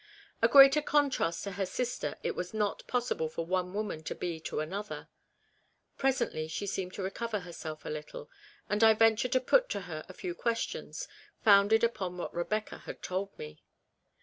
A greater contrast to her sister it was not possible for one woman to be to another. Presently she seemed to recover herself a little, and I ventured to put to her a few questions founded upon what Rebecca had told me.